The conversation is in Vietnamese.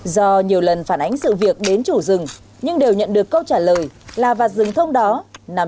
do nhiều lần phản ánh sự việc đến chủ rừng nhưng đều nhận được câu trả lời là và rừng thông đó nằm